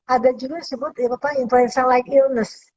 ada juga yang sebut influenza like illness